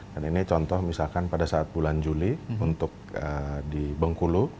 dan ini contoh misalkan pada saat bulan juli untuk di bengkulu